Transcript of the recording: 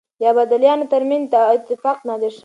د ابدالیانو ترمنځ اتفاق د نادرافشار ماته وه.